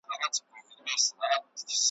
د غوایانو به ور څیري کړي نسونه» `